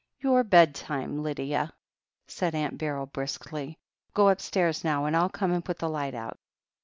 Your bedtime, Lydia," said Aimt Beryl briskly. Go upstairs now and Til come and put the light out."